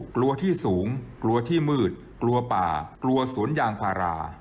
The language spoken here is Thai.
กลัวที่สูงกลัวที่มืดกลัวป่ากลัวสวนยางพารา